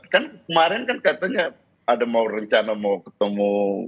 kan kemarin kan katanya ada mau rencana mau ketemu